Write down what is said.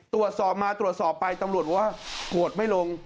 ตรวจสอบมาตรวจสอบไปตำรวจบอกว่าโกรธไม่ลง